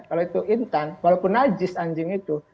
kalau itu intan walaupun najis anjing itu